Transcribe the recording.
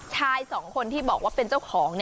ชายสองคนที่บอกว่าเป็นเจ้าของ